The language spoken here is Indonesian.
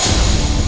nih ini udah gampang